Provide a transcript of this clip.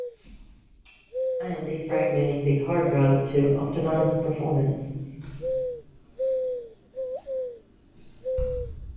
I am defragmenting the hard drive to optimize performance.